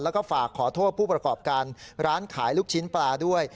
แล้วก็ฝากขอโทษผู้ประกอบการร้านขายลูกชิ้นปลาด้วย